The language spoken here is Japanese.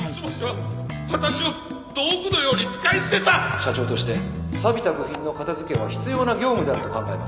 社長としてさびた部品の片付けは必要な業務であると考えます